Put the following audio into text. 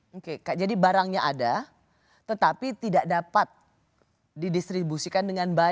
oke jadi barangnya ada tetapi tidak dapat didistribusikan dengan baik